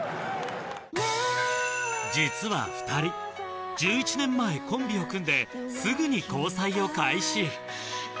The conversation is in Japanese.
実は２人１１年前コンビを組んですぐに交際を開始。